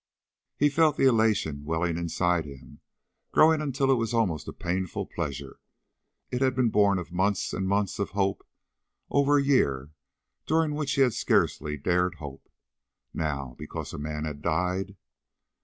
He felt the elation welling inside him, growing until it was almost a painful pleasure. It had been born of months and months of hope, over a year during which he had scarcely dared hope. Now, because a man had died....